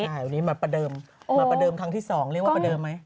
ใช่วันนี้มาประเดิมมาประเดิมครั้งที่๒เรียกว่าประเดิมไหม